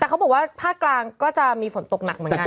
แต่เขาบอกว่าภาคกลางก็จะมีฝนตกหนักเหมือนกัน